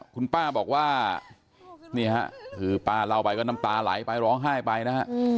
คุณป้าบอกว่านี่ฮะคือป้าเล่าไปก็น้ำตาไหลไปร้องไห้ไปนะฮะ